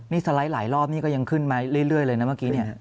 นี่สไลด์หลายรอบนี่ก็ยังขึ้นมาเรื่อยเลยนะเมื่อกี้เนี่ย